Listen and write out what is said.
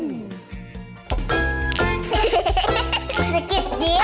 อันนี้ต้นคิดมาท้อง๑